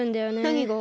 なにが？